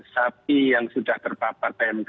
sapi yang sudah terpapar pmk